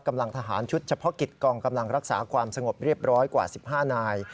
กำลังทหารชุดเฉพาะกิจกองกำลังรักษาความสงบเรียบร้อยกว่า๑๕นาย